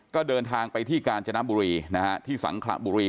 ก็เดินทางไปที่กาญจนบุรีที่สังขระบุรี